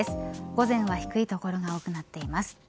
午前は低い所が多くなっています。